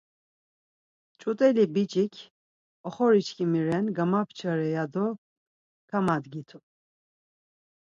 Ç̌ut̆eli biç̌ik oxoriçkimi ren gamapçare ya do kamadgitu.